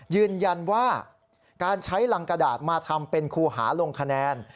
ยืนยันว่าการใช้รังกระดาษมาทำเป็นครูหาลงคะแนน